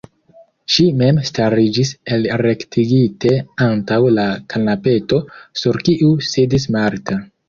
Ŝi mem stariĝis elrektigite antaŭ la kanapeto, sur kiu sidis Marta.